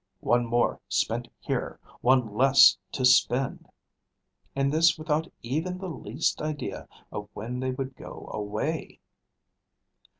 "One more spent here! one less to spend!" and this without even the least idea of when they would go away.